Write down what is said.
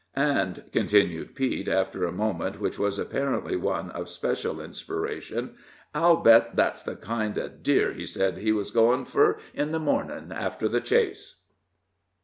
And," continued Pete, after a moment, which was apparently one of special inspiration, "I'll bet that's the kind of deer he said he was goin' fur on the morning after the chase."